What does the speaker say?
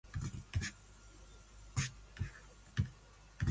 I still like it when I see it, writes Kazan.